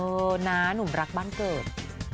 นะหนุ่มรักบ้านเกิด